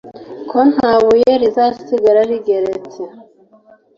ko nta buye rizasigara rigeretse